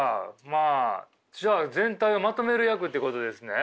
まあじゃあ全体をまとめる役ってことですね？